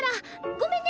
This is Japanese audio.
ごめんね。